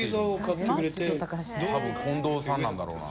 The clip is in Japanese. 進近藤さんなんだろうな。